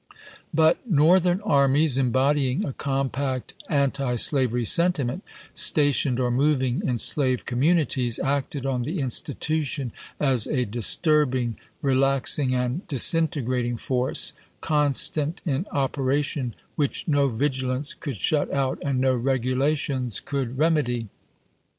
But Northern armies, embodying a compact antislavery senti ment, stationed or moving in slave communities, acted on the "institution" as a disturbing, relaxing, and disintegrating force, constant in operation, which no vigilance could shut out and no regula tions could remedy.